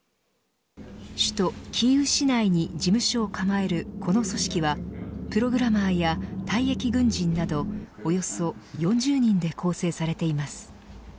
首都キーウ市内に事務所を構えるこの組織はプログラマーや退役軍人などおよそ４０人で構成されています。